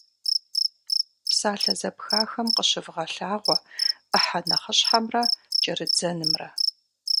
Псалъэ зэпхахэм къыщывгъэлъагъуэ ӏыхьэ нэхъыщхьэмрэ кӏэрыдзэнымрэ.